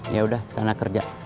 yaudah sana kerja